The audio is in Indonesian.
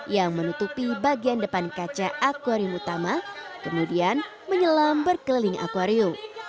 yang menutupi bagian depan kaca akwarium utama kemudian menyelam berkeliling akwarium